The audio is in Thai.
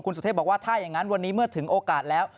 คุณสุธิบอกว่าถ้ายังงั้นวันนี้เมื่อถึงโอกาสแล้ว